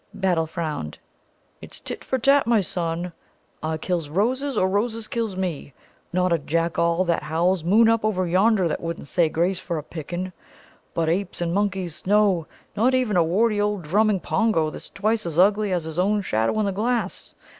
Battle frowned. "It's tit for tat, my son. I kills Roses, or Roses kills me. Not a Jack All that howls moon up over yonder that wouldn't say grace for a picking. But apes and monkeys, no; not even a warty old drumming Pongo that's twice as ugly as his own shadow in the glass.